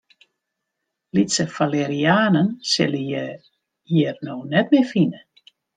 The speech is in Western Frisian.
Lytse falerianen sille je hjir no net mear fine.